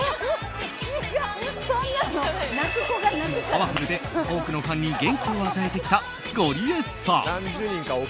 パワフルで多くのファンに元気を与えてきたゴリエさん。